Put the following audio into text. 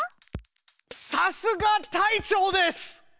さすが隊長です！